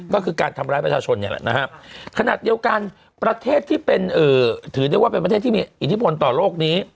ก็คือการทำร้ายประชาชนเนี่ยแหละนะครับขนาดเดียวกันประเทศที่เป็นถือได้ว่าเป็นประเทศที่มีอิทธิพลต่อโลกนี้